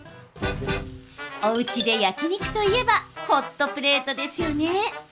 おうちで焼き肉といえばホットプレートですよね。